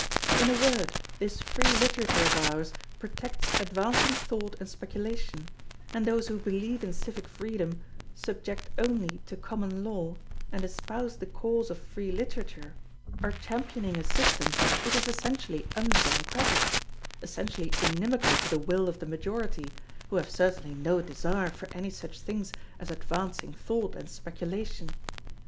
In a word, this Free Literature of ours protects advancing thought and speculation; and those who believe in civic freedom subject only to Common Law, and espouse the cause of free literature, are championing a system which is essentially undemocratic, essentially inimical to the will of the majority, who have certainly no desire for any such things as advancing thought and speculation.